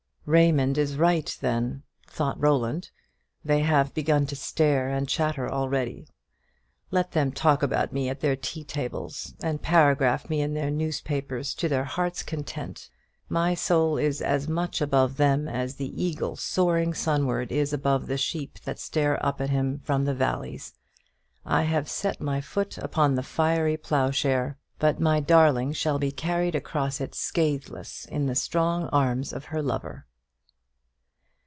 "Raymond is right, then," thought Roland; "they have begun to stare and chatter already. Let them talk about me at their tea tables, and paragraph me in their newspapers, to their hearts' content! My soul is as much above them as the eagle soaring sunward is above the sheep that stare up at him from the valleys. I have set my foot upon the fiery ploughshare, but my darling shall be carried across it scatheless, in the strong arms of her lover."